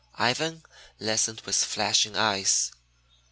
Ivan listened with flashing eyes.